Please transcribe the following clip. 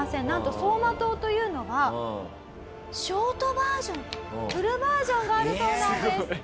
なんと走馬灯というのはショートバージョンとフルバージョンがあるそうなんです。